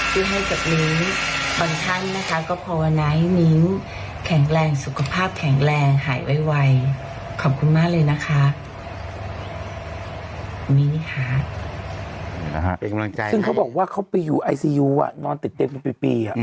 ซึ่งเขาบอกว่าเขาไปอยู่ไอซียูอ่ะนอนติดเตียงเป็นปีอ่ะ